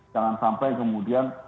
jangan sampai kemudian